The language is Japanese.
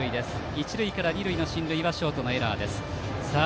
一塁から二塁の進塁はショートのエラー。